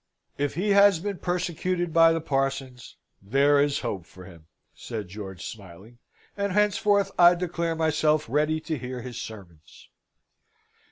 "If he has been persecuted by the parsons, there is hope for him," said George, smiling. "And henceforth I declare myself ready to hear his sermons."